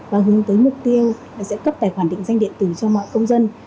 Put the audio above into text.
và hướng tới mục tiêu là sẽ cấp tài khoản định danh điện tử cho mọi công dân